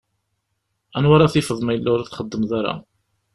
Anwa ara tifeḍ ma yella ur txeddmeḍ ara?